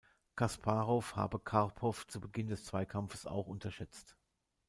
Kasparow habe Karpow zu Beginn des Zweikampfes auch unterschätzt.